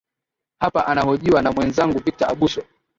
hapa anahojiwa na mwenzangu victor abuso